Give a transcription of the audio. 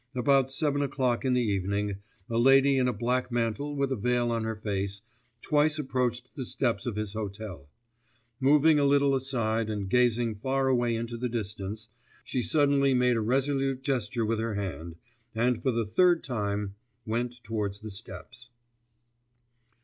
About seven o'clock in the evening a lady in a black mantle with a veil on her face twice approached the steps of his hotel. Moving a little aside and gazing far away into the distance, she suddenly made a resolute gesture with her hand, and for the third time went towards the steps....